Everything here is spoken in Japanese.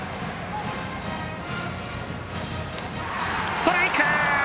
ストライク！